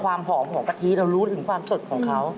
ความหอมของกะทิเรารู้ถึงความสดของเขา